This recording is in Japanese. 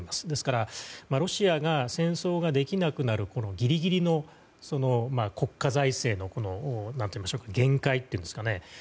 ですから、ロシアが戦争ができなくなるギリギリの国家財政の限界というんですかね